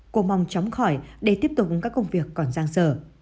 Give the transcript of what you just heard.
cô mong trốn khỏi để tiếp tục các công việc còn giang sở